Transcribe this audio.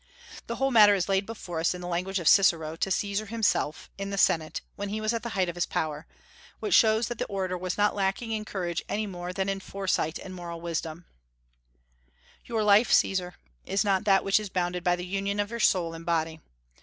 The whole matter is laid before us in the language of Cicero to Caesar himself, in the Senate, when he was at the height of his power; which shows that the orator was not lacking in courage any more than in foresight and moral wisdom: "Your life, Caesar, is not that which is bounded by the union of your soul and body.